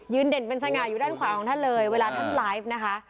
เด่นเป็นสง่าอยู่ด้านขวาของท่านเลยเวลาท่านไลฟ์นะคะ